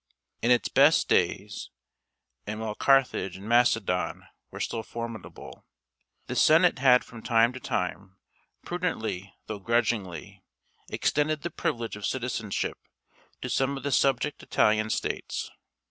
In its best days, and while Carthage and Macedon were still formidable, the Senate had from time to time, prudently though grudgingly, extended the privilege of citizenship to some of the subject Italian states.